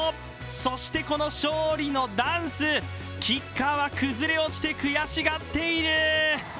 そしてこの勝利のダンスキッカーは崩れ落ちて悔しがっている。